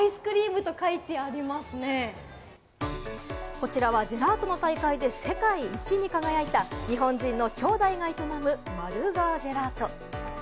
こちらはジェラートの大会で世界一に輝いた日本人の兄弟が営むマルガージェラート。